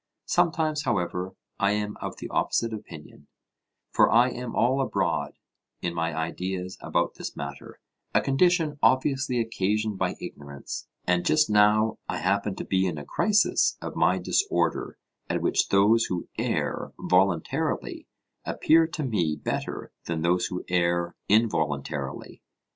Sometimes, however, I am of the opposite opinion; for I am all abroad in my ideas about this matter, a condition obviously occasioned by ignorance. And just now I happen to be in a crisis of my disorder at which those who err voluntarily appear to me better than those who err involuntarily.